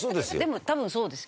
でも多分そうです。